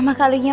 nah ada lagi mas